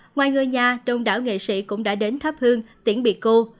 ngoài người nhà đông đảo nghệ sĩ cũng đã đến thắp hương tiễn biệt cô